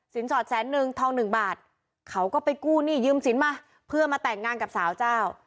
สอดแสนนึงทองหนึ่งบาทเขาก็ไปกู้หนี้ยืมสินมาเพื่อมาแต่งงานกับสาวเจ้า